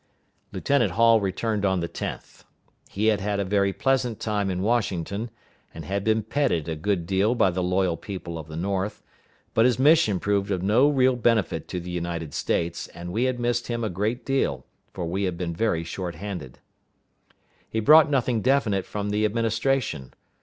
Lieutenant Hall returned on the 10th. He had had a very pleasant time in Washington, and had been petted a good deal by the loyal people of the North, but his mission proved of no real benefit to the United States, and we had missed him a great deal, for we had been very short handed. He brought nothing definite from the Administration.